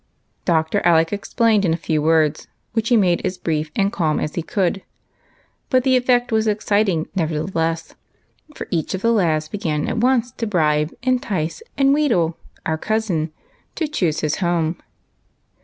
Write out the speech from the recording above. Dr. Alec explained in a few words, which he made as brief and calm as he could ; but the effect was excit ing, nevertheless, for each of the lads began at once to bribe, entice, and wheedle " our cousin " to choose his home.